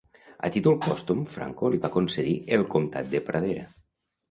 A títol pòstum Franco li va concedir el Comtat de Pradera.